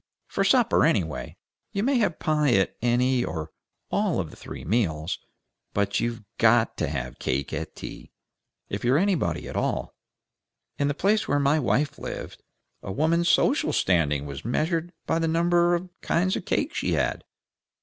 "For supper, anyway. You may have pie at any or all of the three meals, but you have GOT to have cake at tea, if you are anybody at all. In the place where my wife lived, a woman's social standing was measured by the number of kinds of cake she had."